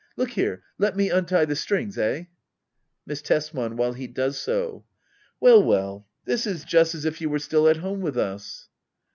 Look here ! Let me untie the strings — eh ? Miss Tesman. [While he does so.'\ Well well— this is just as if you were still at home with us.